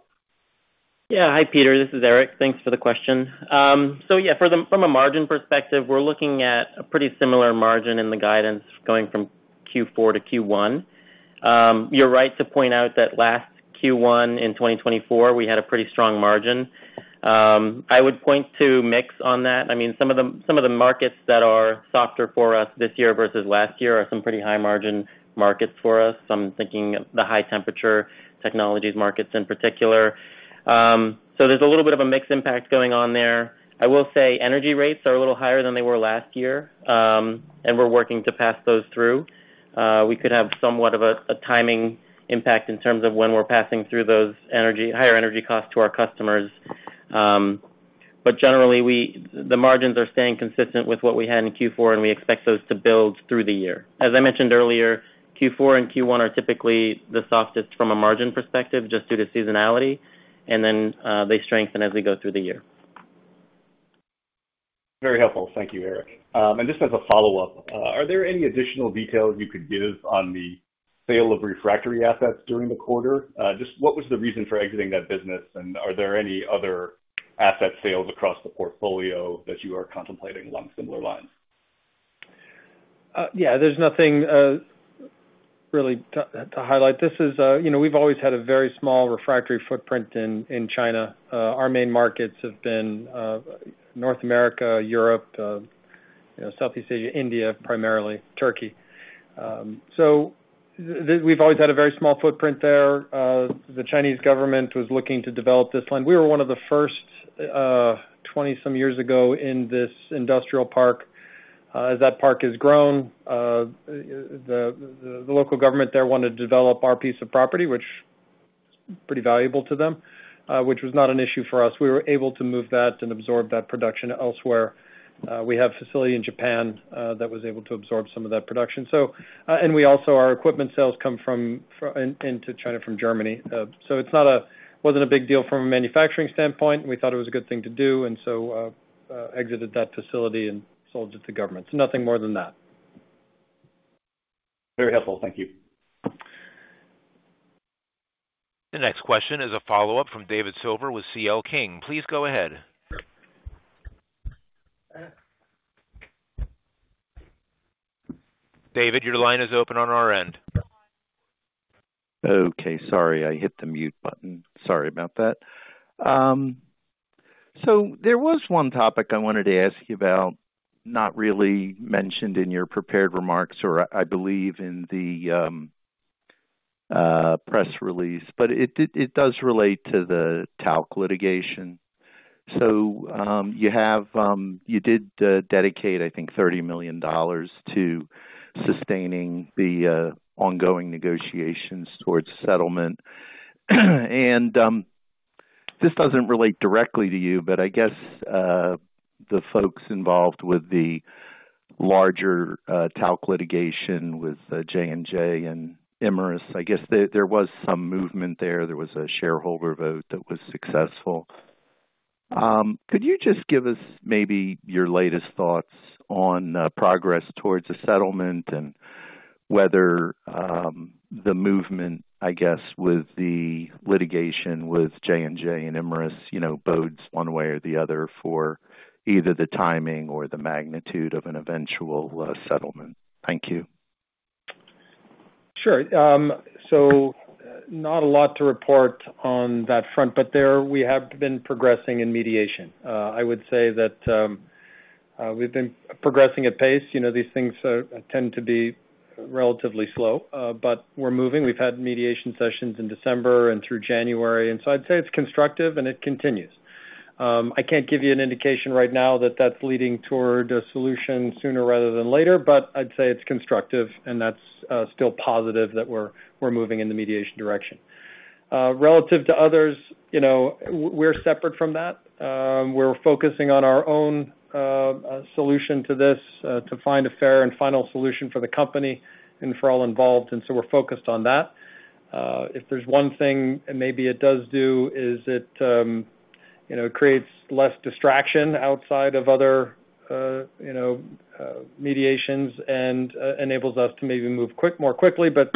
Yeah. Hi, Pete. This is Erik. Thanks for the question. So yeah, from a margin perspective, we're looking at a pretty similar margin in the guidance going from Q4 to Q1. You're right to point out that last Q1 in 2024, we had a pretty strong margin. I would point to mix on that. I mean, some of the markets that are softer for us this year versus last year are some pretty high-margin markets for us. I'm thinking the High Temperature Technologies markets in particular. So there's a little bit of a mixed impact going on there. I will say energy rates are a little higher than they were last year, and we're working to pass those through. We could have somewhat of a timing impact in terms of when we're passing through those higher energy costs to our customers. But generally, the margins are staying consistent with what we had in Q4, and we expect those to build through the year. As I mentioned earlier, Q4 and Q1 are typically the softest from a margin perspective just due to seasonality, and then they strengthen as we go through the year.
Very helpful. Thank you, Erik. Just as a follow-up, are there any additional details you could give on the sale of refractory assets during the quarter? Just what was the reason for exiting that business, and are there any other asset sales across the portfolio that you are contemplating along similar lines?
Yeah, there's nothing really to highlight. We've always had a very small refractory footprint in China. Our main markets have been North America, Europe, Southeast Asia, India, primarily, Turkey. So we've always had a very small footprint there. The Chinese government was looking to develop this land. We were one of the first 20-some years ago in this industrial park. As that park has grown, the local government there wanted to develop our piece of property, which is pretty valuable to them, which was not an issue for us. We were able to move that and absorb that production elsewhere. We have a facility in Japan that was able to absorb some of that production, and we also have equipment sales come into China from Germany, so it wasn't a big deal from a manufacturing standpoint. We thought it was a good thing to do, and so we exited that facility and sold it to the government, so nothing more than that.
Very helpful. Thank you.
The next question is a follow-up from David Silver with CL King. Please go ahead. David, your line is open on our end.
Okay. Sorry, I hit the mute button. Sorry about that. So there was one topic I wanted to ask you about, not really mentioned in your prepared remarks or, I believe, in the press release, but it does relate to the talc litigation, so you did dedicate, I think, $30 million to sustaining the ongoing negotiations towards settlement. And this doesn't relate directly to you, but I guess the folks involved with the larger talc litigation with J&J and Imerys. I guess there was some movement there. There was a shareholder vote that was successful. Could you just give us maybe your latest thoughts on progress towards a settlement and whether the movement, I guess, with the litigation with J&J and Imerys, bodes one way or the other for either the timing or the magnitude of an eventual settlement? Thank you.
Sure. So not a lot to report on that front, but there, we have been progressing in mediation. I would say that we've been progressing at pace. These things tend to be relatively slow, but we're moving. We've had mediation sessions in December and through January. And so I'd say it's constructive, and it continues. I can't give you an indication right now that that's leading toward a solution sooner rather than later, but I'd say it's constructive, and that's still positive that we're moving in the mediation direction. Relative to others, we're separate from that. We're focusing on our own solution to this to find a fair and final solution for the company and for all involved, and so we're focused on that. If there's one thing maybe it does do, is it creates less distraction outside of other mediations and enables us to maybe move more quickly, but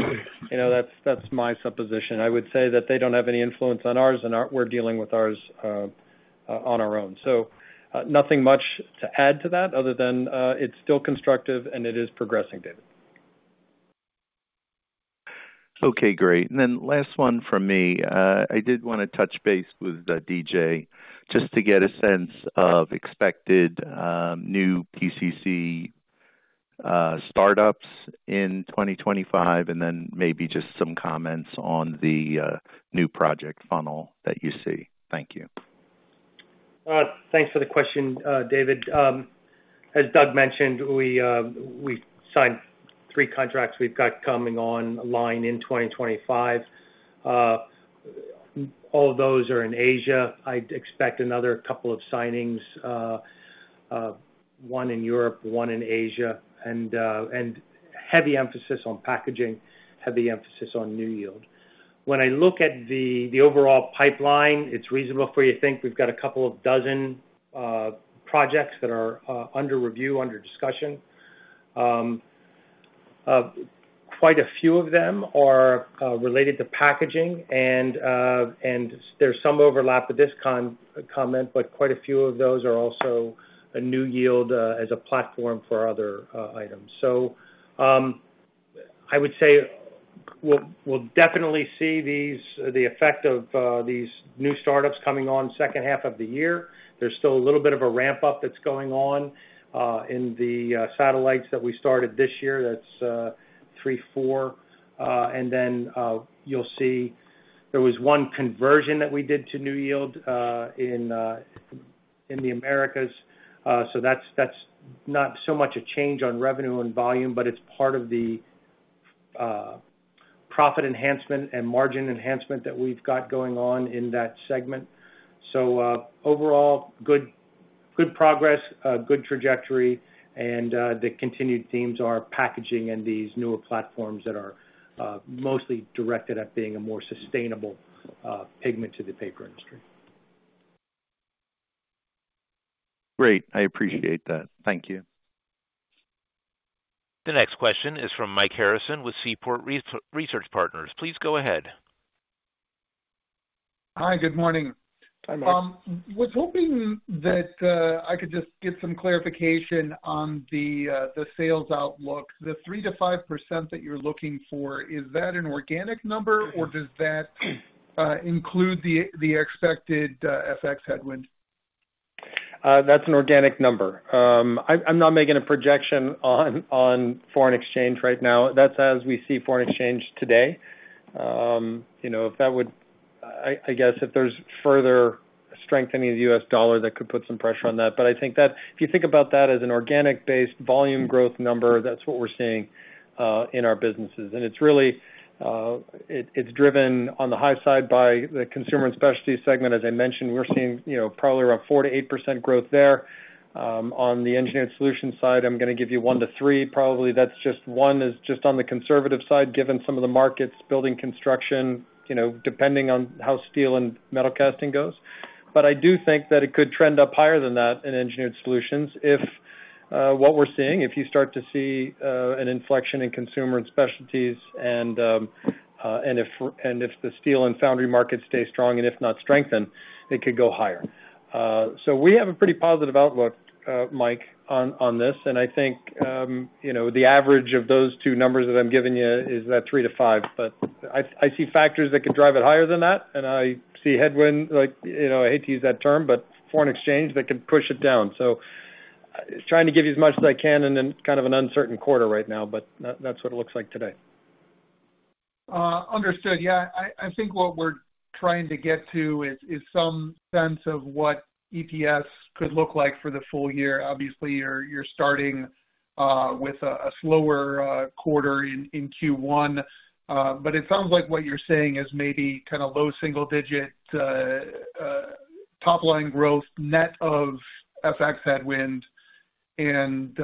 that's my supposition. I would say that they don't have any influence on ours, and we're dealing with ours on our own, so nothing much to add to that other than it's still constructive, and it is progressing, David.
Okay. Great, and then last one from me. I did want to touch base with DJ just to get a sense of expected new PCC startups in 2025, and then maybe just some comments on the new project funnel that you see. Thank you.
Thanks for the question, David. As Doug mentioned, we signed three contracts we've got coming online in 2025. All of those are in Asia. I'd expect another couple of signings, one in Europe, one in Asia, and heavy emphasis on packaging, heavy emphasis on NewYield. When I look at the overall pipeline, it's reasonable for you to think we've got a couple of dozen projects that are under review, under discussion. Quite a few of them are related to packaging, and there's some overlap with this comment, but quite a few of those are also NewYield as a platform for other items. So I would say we'll definitely see the effect of these new startups coming on the second half of the year. There's still a little bit of a ramp-up that's going on in the satellites that we started this year. That's three, four. And then you'll see there was one conversion that we did to NewYield in the Americas. So that's not so much a change on revenue and volume, but it's part of the profit enhancement and margin enhancement that we've got going on in that segment. So overall, good progress, good trajectory, and the continued themes are packaging and these newer platforms that are mostly directed at being a more sustainable pigment to the paper industry.
Great. I appreciate that. Thank you.
The next question is from Mike Harrison with Seaport Research Partners. Please go ahead.
Hi. Good morning.
Hi, Mike.
Was hoping that I could just get some clarification on the sales outlook. The 3%-5% that you're looking for, is that an organic number, or does that include the expected FX headwind?
That's an organic number. I'm not making a projection on foreign exchange right now. That's as we see foreign exchange today. I guess if there's further strengthening of the U.S. dollar, that could put some pressure on that. But I think that if you think about that as an organic-based volume growth number, that's what we're seeing in our businesses. And it's driven on the high side by the Consumer & Specialties segment. As I mentioned, we're seeing probably around 4%-8% growth there. On the Engineered Solutions side, I'm going to give you 1%-3%. Probably that's just one is just on the conservative side, given some of the markets building construction, depending on how steel and metalcasting goes. But I do think that it could trend up higher than that in Engineered Solutions. What we're seeing, if you start to see an inflection in Consumer & Specialties, and if the steel and foundry markets stay strong, and if not strengthen, it could go higher. So we have a pretty positive outlook, Mike, on this. And I think the average of those two numbers that I'm giving you is that three to five. But I see factors that could drive it higher than that, and I see headwind. I hate to use that term, but foreign exchange that could push it down. So trying to give you as much as I can in kind of an uncertain quarter right now, but that's what it looks like today.
Understood. Yeah. I think what we're trying to get to is some sense of what EPS could look like for the full-year. Obviously, you're starting with a slower quarter in Q1, but it sounds like what you're saying is maybe kind of low single-digit top-line growth, net of FX headwind, and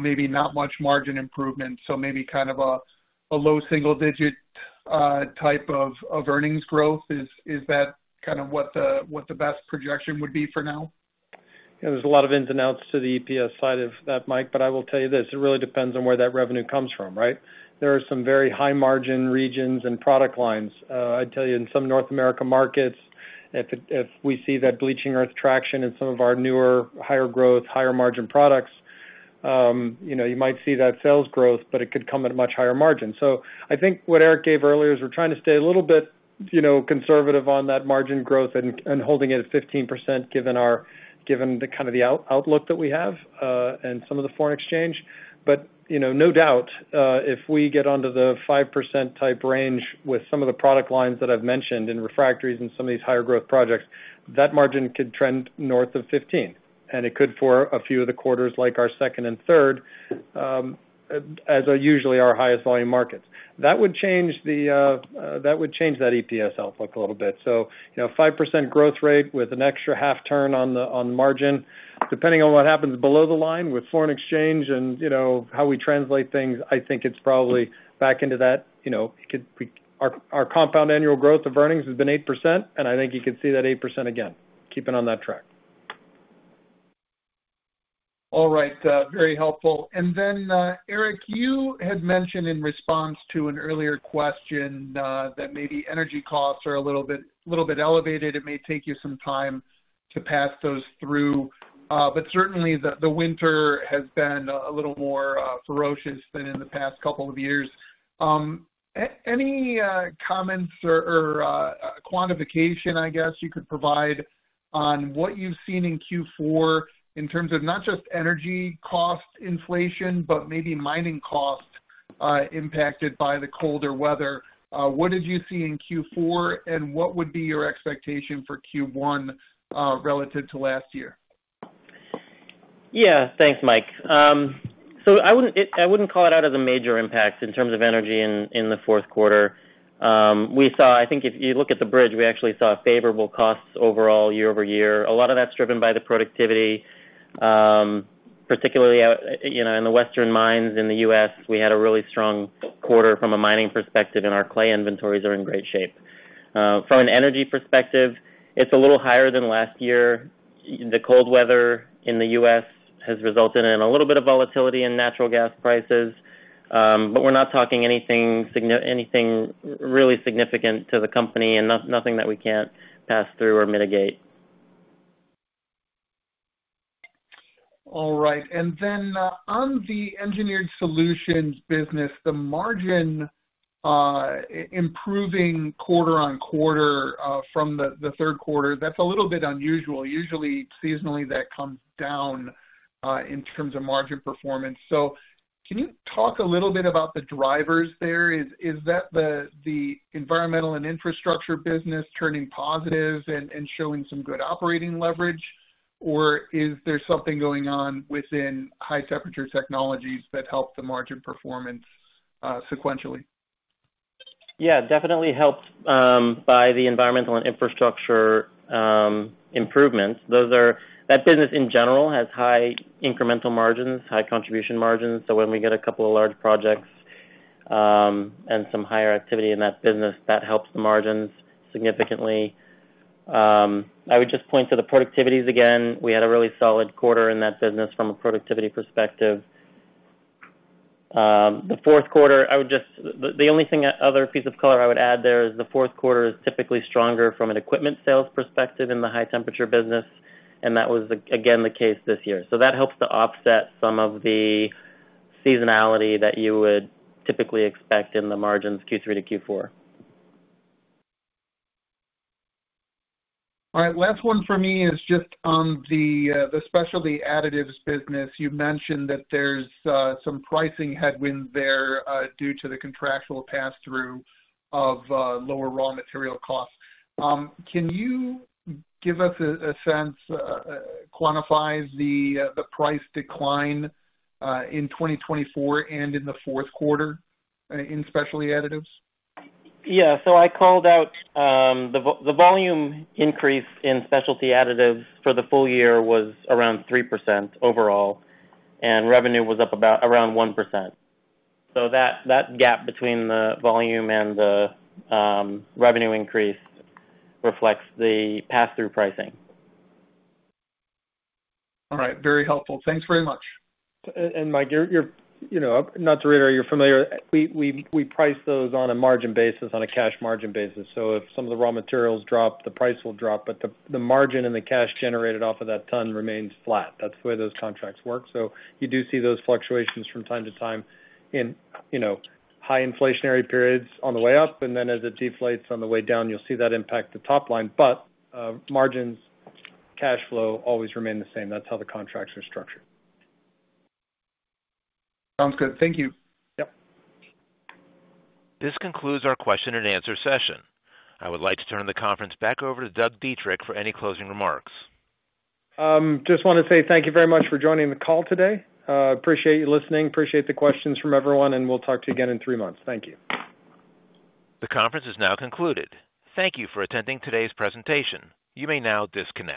maybe not much margin improvement. So maybe kind of a low single-digit type of earnings growth. Is that kind of what the best projection would be for now?
Yeah. There's a lot of ins and outs to the EPS side of that, Mike, but I will tell you this. It really depends on where that revenue comes from, right? There are some very high-margin regions and product lines. I'd tell you in some North America markets, if we see that bleaching earth traction in some of our newer, higher-growth, higher-margin products, you might see that sales growth, but it could come at a much higher margin, so I think what Erik gave earlier is we're trying to stay a little bit conservative on that margin growth and holding it at 15% given kind of the outlook that we have and some of the foreign exchange, but no doubt, if we get onto the 5% type range with some of the product lines that I've mentioned in Refractories and some of these higher-growth projects, that margin could trend north of 15%, and it could for a few of the quarters like our second and third, as are usually our highest-volume markets, that would change that EPS outlook a little bit. So 5% growth rate with an extra half turn on the margin, depending on what happens below the line with foreign exchange and how we translate things, I think it's probably back into that. Our compound annual growth of earnings has been 8%, and I think you could see that 8% again, keeping on that track.
All right. Very helpful. And then, Erik, you had mentioned in response to an earlier question that maybe energy costs are a little bit elevated. It may take you some time to pass those through. But certainly, the winter has been a little more ferocious than in the past couple of years. Any comments or quantification, I guess, you could provide on what you've seen in Q4 in terms of not just energy cost inflation, but maybe mining costs impacted by the colder weather? What did you see in Q4, and what would be your expectation for Q1 relative to last year?
Yeah. Thanks, Mike. So I wouldn't call it out as a major impact in terms of energy in the Q4. I think if you look at the bridge, we actually saw favorable costs overall year over year. A lot of that's driven by the productivity, particularly in the Western mines in the U.S. We had a really strong quarter from a mining perspective, and our clay inventories are in great shape. From an energy perspective, it's a little higher than last year. The cold weather in the U.S. has resulted in a little bit of volatility in natural gas prices, but we're not talking anything really significant to the company and nothing that we can't pass through or mitigate.
All right. Then, on the Engineered Solutions business, the margin improving quarter on quarter from the Q3, that's a little bit unusual. Usually, seasonally, that comes down in terms of margin performance. So can you talk a little bit about the drivers there? Is that the Environmental & Infrastructure business turning positive and showing some good operating leverage, or is there something going on within High Temperature Technologies that help the margin performance sequentially?
Yeah. Definitely helped by the Environmental & Infrastructure improvements. That business, in general, has high incremental margins, high contribution margins. So when we get a couple of large projects and some higher activity in that business, that helps the margins significantly. I would just point to the productivities again. We had a really solid quarter in that business from a productivity perspective. The Q4, the only other piece of color I would add there is the Q4 is typically stronger from an equipment sales perspective in the high-temperature business, and that was, again, the case this year. So that helps to offset some of the seasonality that you would typically expect in the margins Q3 to Q4. All right. Last one for me is just on the Specialty Additives business. You mentioned that there's some pricing headwinds there due to the contractual pass-through of lower raw material costs. Can you give us a sense, quantify the price decline in 2024 and in the Q4 in Specialty Additives? Yeah. So I called out the volume increase in Specialty Additives for the full year was around 3% overall, and revenue was up around 1%. So that gap between the volume and the revenue increase reflects the pass-through pricing.
All right. Very helpful. Thanks very much.
And Mike, not to reiterate, you're familiar. We price those on a margin basis, on a cash margin basis. So if some of the raw materials drop, the price will drop, but the margin and the cash generated off of that ton remains flat. That's the way those contracts work. So you do see those fluctuations from time to time in high inflationary periods on the way up, and then as it deflates on the way down, you'll see that impact the top line. But margins, cash flow always remain the same. That's how the contracts are structured.
Sounds good. Thank you.
Yep.
This concludes our question-and-answer session. I would like to turn the conference back over to Doug Dietrich for any closing remarks.
Just want to say thank you very much for joining the call today. Appreciate you listening. Appreciate the questions from everyone, and we'll talk to you again in three months. Thank you.
The conference is now concluded. Thank you for attending today's presentation. You may now disconnect.